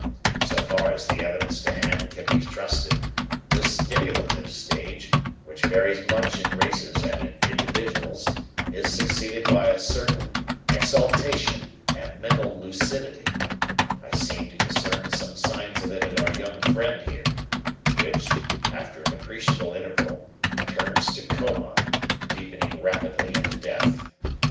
So far as the evidence to hand can be trusted, this stimulative stage, which varies much in races and in individuals, is succeeded by a certain exaltation and mental lucidity I seem to discern some signs of it in our young friend here which, after an appreciable interval, turns to coma, deepening rapidly into death.